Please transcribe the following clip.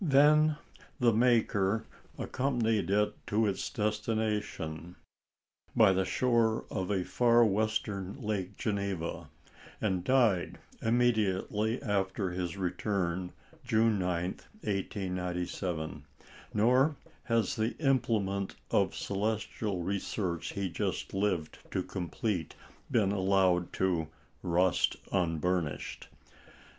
Then the maker accompanied it to its destination, by the shore of a far Western Lake Geneva, and died immediately after his return, June 9, 1897. Nor has the implement of celestial research he just lived to complete been allowed to "rust unburnished."